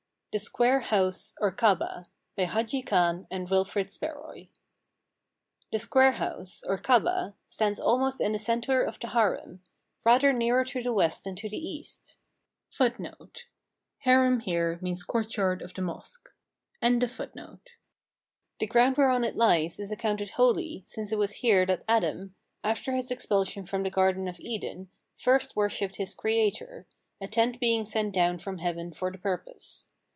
I THE "SQUARE HOUSE," OR KABAH BY HADJI KHAN AND WILFRH) SPARROY The "Square House," or Kabah, stands almost in the center of the Harem/ rather nearer to the west than to the east. The ground whereon it lies is accounted holy, since it was here that Adam, after his expulsion from the Garden of Eden, first worshiped his Creator, a tent being sent dowTi from heaven for the purpose.